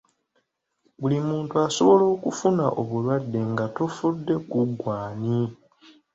Buli muntu asobola okufuna obulwadde nga tofudde ku ggwe ani.